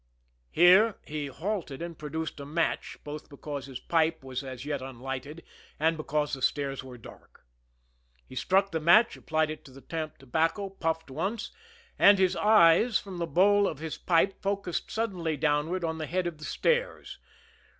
Here, he halted and produced a match, both because his pipe was as yet unlighted, and because the stairs were dark. He struck the match, applied it to the tamped tobacco, puffed once and his eyes, from the bowl of his pipe, focused suddenly downward on the head of the stairs.